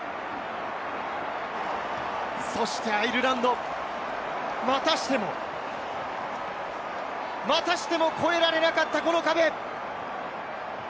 そしてアイルランド、またしても、またしても越えられなかった、この壁。